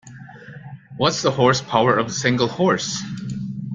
What's the horsepower of a single horse?